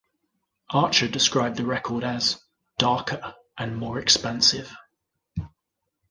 Archer described the record as "darker and more expansive".